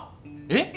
えっ？